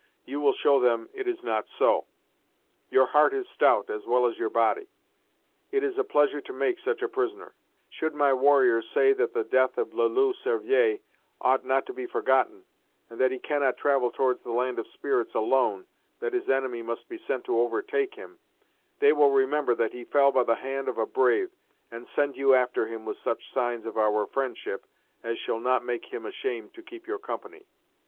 You will show them it is not so; your heart is stout, as well as your body. It is a pleasure to make such a prisoner; should my warriors say that the death of le Loup Cervier ought not to be forgotten, and that he cannot travel towards the land of spirits alone, that his enemy must be sent to overtake him, they will remember that he fell by the hand of a brave, and send you after him with such signs of our friendship as shall not make him ashamed to keep your company.